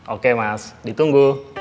oke mas ditunggu